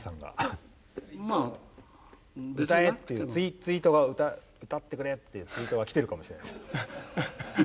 ツイートが「歌ってくれ」ってツイートが来てるかもしれないですよ。